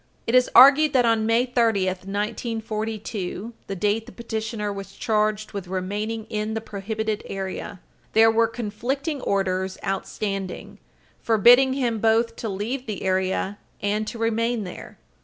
It is argued that, on May 30, 1942, the date the petitioner was charged with remaining in the prohibited area, there were conflicting orders outstanding, forbidding him both to leave the area and to remain there.